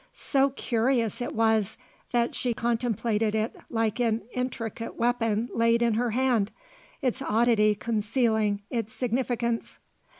So curious it was that she contemplated it like an intricate weapon laid in her hand, its oddity concealing its significance.